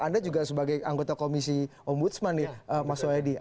anda juga sebagai anggota komisi om budsman nih mas soedi